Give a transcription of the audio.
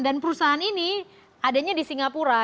perusahaan ini adanya di singapura